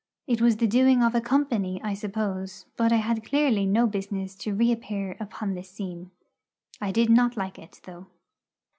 It was the doing of a company, I suppose; but I had clearly no business to reappear upon the scene. I did not like it, though.